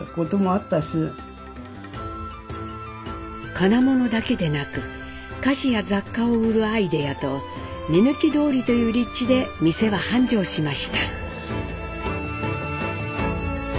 金物だけでなく菓子や雑貨を売るアイデアと目抜き通りという立地で店は繁盛しました。